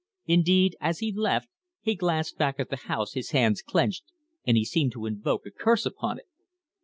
Indeed, as he left, he glanced back at the house, his hands clenched, and he seemed to invoke a curse upon it."